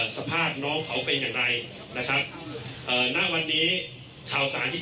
สภาพน้องเขาเป็นอย่างไรนะครับเอ่อณวันนี้ข่าวสารที่